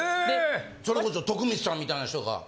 それこそ徳光さんみたいな人が？